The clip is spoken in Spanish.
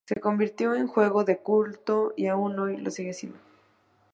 Se convirtió en juego de culto y aún hoy lo sigue siendo.